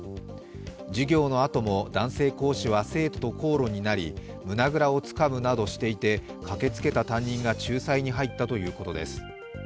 授業のあとも男性講師は生徒と口論になり、胸ぐらをつかむなどしていて駆けつけた担任が仲裁に入ったということです。